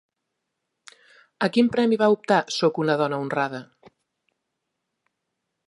A quin premi va optar Sóc una dona honrada?